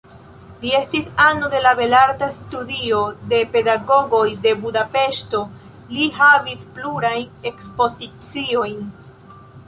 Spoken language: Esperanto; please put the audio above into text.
Li estis ano de belarta studio de pedagogoj de Budapeŝto, li havis plurajn ekspoziciojn.